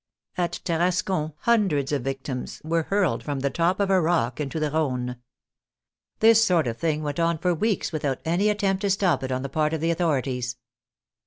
At Tarascon hun dreds of victims were hurled from the top of a rock into the Rhone. This sort of thing went on for weeks without any attempt to stop it on the part of the authorities.